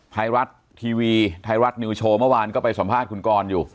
ไทยรัฐทีวีไทยรัฐนิวโชว์เมื่อวานก็ไปสัมภาษณ์คุณกรอยู่